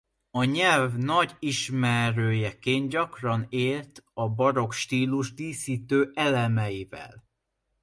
A nyelv nagy ismerőjeként gyakran élt a barokk stílus díszítő elemeivel.